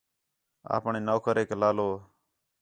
اپݨے نوکرینک لالو